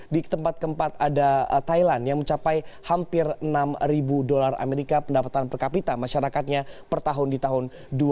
di tempat keempat ada thailand yang mencapai hampir enam ribu dolar amerika pendapatan per kapita masyarakatnya per tahun di tahun dua ribu dua